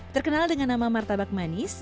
terkenal dengan nama martabak manis